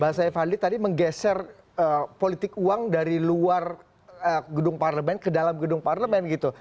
bang saif fadli tadi menggeser politik uang dari luar gedung parlemen ke dalam gedung parlemen gitu